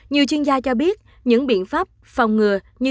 nhiều chuyên gia cho biết những biện pháp phòng ngừa như sars cov hai